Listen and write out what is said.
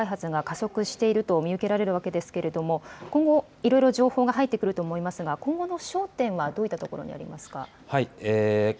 核・ミサイル開発が加速していると見受けられるわけですが今後、いろいろ情報が入ってくると思いますが今後の焦点はどういったところになりますか。